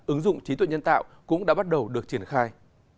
ứng dụng trí tuệ nhân tạo cũng đã bắt đầu được triển khai